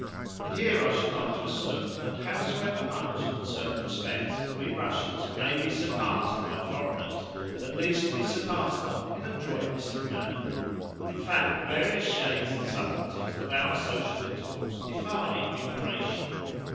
And here I should like to assert that, howsoever much, in certain respects, we Russians may be surpassed by foreigners, at least we surpass them in adroitness of manner. In fact the various shades and subtleties of our social intercourse defy enumeration.